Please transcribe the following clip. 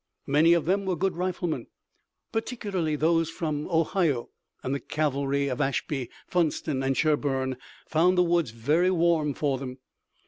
Many of them were good riflemen, particularly those from Ohio, and the cavalry of Ashby, Funsten and Sherburne found the woods very warm for them.